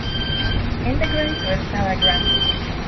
Integrates with Telegram